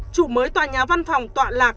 chủ mới tòa nhà văn phòng tọa lạc